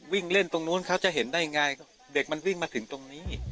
วิ่งเล่นตรงนู้นเขาจะเห็นได้ไงเด็กมันวิ่งมาถึงตรงนี้